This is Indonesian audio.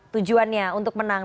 tujuannya untuk menang